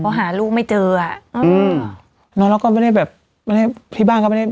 เพราะหาลูกไม่เจออ่ะอืมเนอะแล้วก็ไม่ได้แบบไม่ได้ที่บ้านก็ไม่ได้